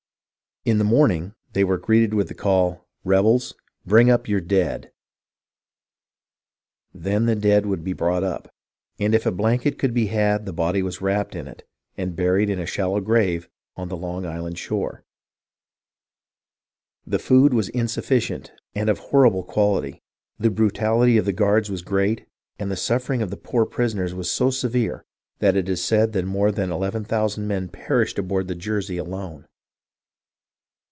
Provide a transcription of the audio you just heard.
In the morning they were greeted with the call, " Rebels, bring up your dead !" Then the dead would be brought up, and if a blanket could be had the body was wrapped in it and buried in a shallow grave on the Long Island shore. The food was insufficient and of horrible quality, the brutality of the guards was great, and the suffering of the poor prisoners was so severe that it is said more than eleven thousand men perished on board the Jersey alone.